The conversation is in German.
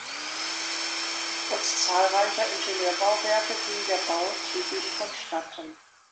Trotz zahlreicher Ingenieurbauwerke ging der Bau zügig vonstatten.